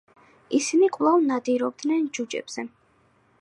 ისინი კვლავ ნადირობდნენ ჯუჯებზე.